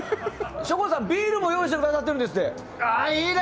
省吾さん、ビールも用意してくださってるんですって。